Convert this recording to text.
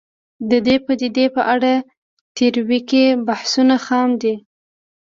د دې پدیدې په اړه تیوریکي بحثونه خام دي